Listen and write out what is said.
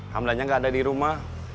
hamdannya nggak ada di rumah